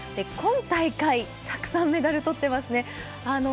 今大会、たくさんメダルとってますね。